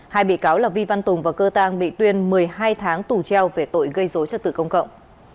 hai bị cáo là vi văn tùng và cơ tăng bị tuyên một mươi hai tháng tù treo về tội gây dối trật tự công cộng